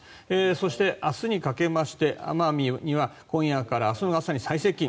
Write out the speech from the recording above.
そして、明日にかけまして奄美には今夜から明日の朝に最接近。